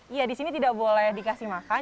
iya di sini tidak boleh dikasih makan